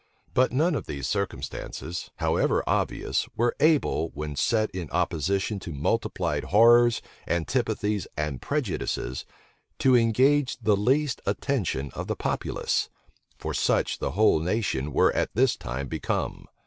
But none of these circumstances, however obvious, were able, when set in opposition to multiplied horrors, antipathies, and prejudices, to engage the least attention of the populace: for such the whole nation were at this time become.